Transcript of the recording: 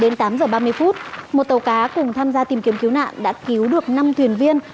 đến tám giờ ba mươi phút một tàu cá cùng tham gia tìm kiếm cứu nạn đã cứu được năm thuyền viên